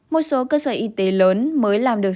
một số cơ sở y tế lớn mới làm được